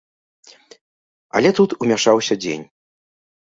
Але тут умяшаўся дзень.